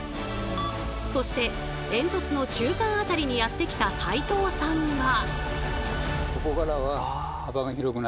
そして煙突の中間辺りにやって来た齋藤さんは。